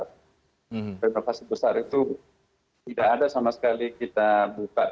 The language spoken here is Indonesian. renovasi besar itu tidak ada sama sekali kita buka